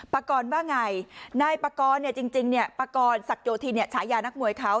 ปกรณ์ว่าไงนายปกรณ์เนี่ยจริงเนี่ยปกรณ์ศักยธิเนี่ยฉายานักมวยเขา